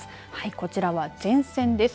こちらは前線です。